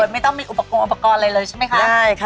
ไม่ต้องมีอุปกรณ์อะไรเลยใช่ไหมคะ